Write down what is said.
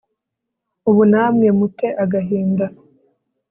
ubu namwe mu te agahinda